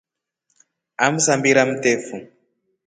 Amsambira mtefu.